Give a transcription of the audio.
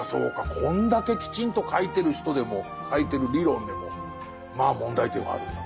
こんだけきちんと書いてる人でも書いてる理論でもまあ問題点はあるんだと。